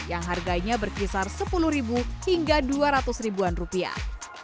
yang harganya berkisar sepuluh hingga dua ratus ribuan rupiah